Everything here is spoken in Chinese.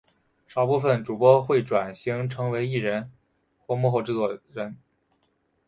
少部份主播会转型成艺人或幕后制作人。